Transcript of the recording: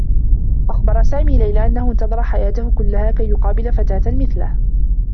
أخبر سامي ليلى أنّه انتظر حياته كلّها كي يقابل فتاة مثله.